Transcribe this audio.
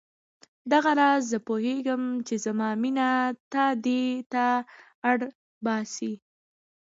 دغه راز زه پوهېږم چې زما مینه تا دې ته اړ باسي.